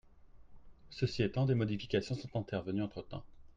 Ceci étant, des modifications sont intervenues entre-temps.